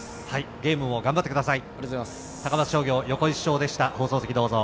ゲームも頑張ってください。